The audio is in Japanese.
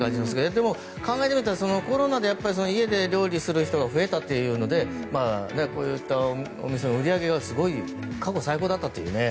でも考えてみたらコロナで、家で料理する人が増えたというのでこういったお店の売り上げが過去最高だったという。